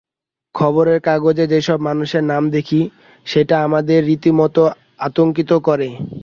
খবরের কাগজে যেসব মানুষের নাম দেখি, সেটা আমাদের রীতিমতো আতঙ্কিত করে।